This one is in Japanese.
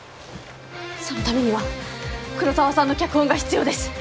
そのためには黒澤さんの脚本が必要です。